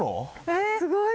えすごい。